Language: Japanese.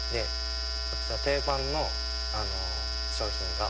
こちら定番の商品がｏｈ！